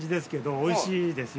おいしいですよ。